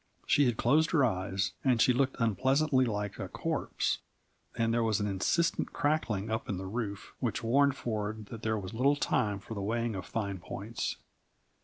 She had closed her eyes, and she looked unpleasantly like a corpse; and there was an insistent crackling up in the roof, which warned Ford that there was little time for the weighing of fine points.